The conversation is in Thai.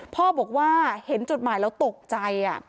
พ่อบอกว่าเห็นจดหมายแล้วตกใจ